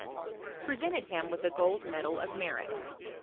245 ments, presented him with a gold medal of merit.